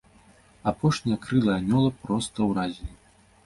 Апошнія крылы анёла проста уразілі.